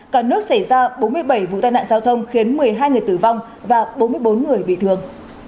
cả nước xảy ra bốn mươi bảy vụ tai nạn giao thông khiến một mươi hai người tử vong và bốn mươi bốn người bị thương